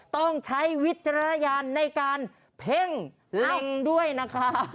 ต้องใช้วิจารณญาณในการเพ่งเล็งด้วยนะคะ